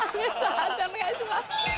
判定お願いします。